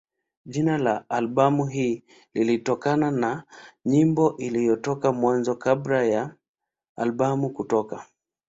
Jina la albamu hii lilitokana na nyimbo iliyotoka Mwanzo kabla ya albamu kutoka.